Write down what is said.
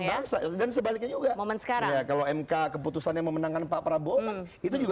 dan sebaliknya juga momen sekarang kalau mk keputusan yang memenangkan pak prabowo itu juga